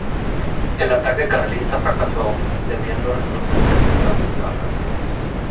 El ataque carlista fracasó, debiendo retroceder con grandes bajas.